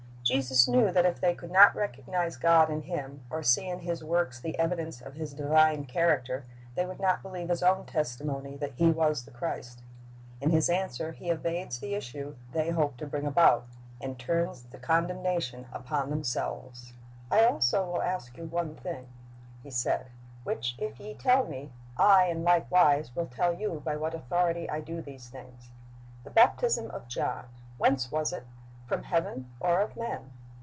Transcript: Jesus knew that if they could not recognize God in Him, or see in His works the evidence of His divine character, they would not believe His own testimony that He was the Christ. In His answer He evades the issue they hope to bring about, and turns the condemnation upon themselves. 274 Christ's Object Lessons "I also will ask you one thing," He said, "which if ye tell Me, I in like wise will tell you by what authority I do these things. The baptism of John, whence was it? from heaven, or of men?"